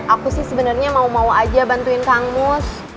aku sih sebenarnya mau mau aja bantuin kang mus